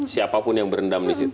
siapapun yang berendam disitu